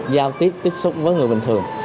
giao tiếp tiếp xúc với người bình thường